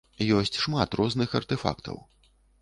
Ёсць шмат розных артэфактаў.